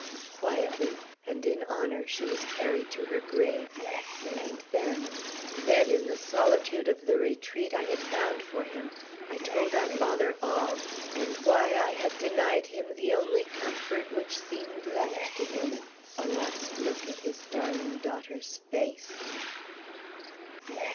Quietly, and in honor, she was carried to her grave, and then then, in the solitude of the retreat I had found for him, I told our father all, and why I had denied him the only comfort which seemed left to him a last look at his darling daughter's face."